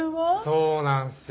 そうなんすよ。